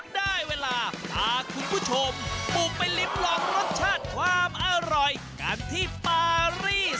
ได้เวลาพาคุณผู้ชมบุกไปลิ้มลองรสชาติความอร่อยกันที่ปารีส